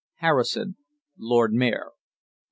= HARRISON, Lord Mayor.